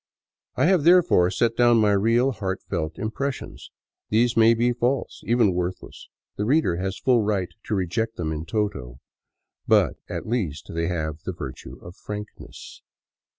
I have, therefore, set down my real, heartfelt impressions. These may be false, even worthless; the reader has full right to reject them in toto. But at least they have the virtue of frankness.